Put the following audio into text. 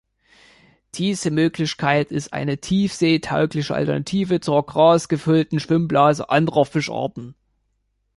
Diese Möglichkeit ist eine tiefsee-taugliche Alternative zur gasgefüllten Schwimmblase anderer Fischarten.